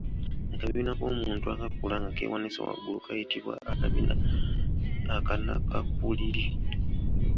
Akabina k’omuntu akakula nga keewanise waggulu kayitibwa akabina akanakakuliri.